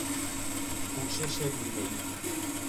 پوشش بیمه ای